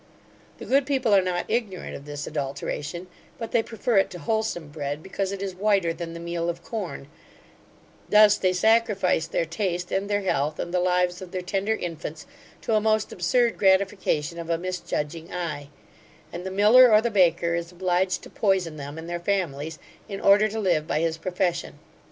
The good people are not ignorant of this adulteration but they prefer it to wholesome bread, because it is whiter than the meal of corn: thus they sacrifice their taste and their health, and the lives of their tender infants, to a most absurd gratification of a mis judging eye; and the miller, or the baker, is obliged to poison them and their families, in order to live by his profession.